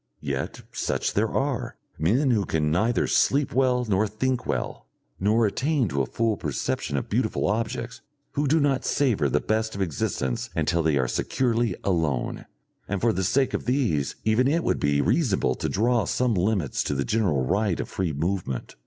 Yet such there are, men who can neither sleep well nor think well, nor attain to a full perception of beautiful objects, who do not savour the best of existence until they are securely alone, and for the sake of these even it would be reasonable to draw some limits to the general right of free movement.